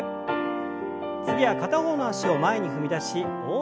次は片方の脚を前に踏み出し大きく胸を開きます。